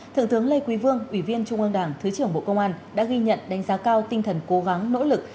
thầy quỳ vương ủy viên trung ương đảng thứ trưởng bộ công an đã ghi nhận đánh giá cao tinh thần cố gắng nỗ lực